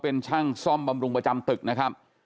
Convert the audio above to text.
เป็นช่างซ่อมบำรุงประจำตึกนะครับ